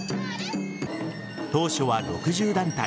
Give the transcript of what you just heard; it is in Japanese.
当初は６０団体